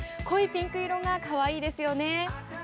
濃いピンク色がかわいいですよね。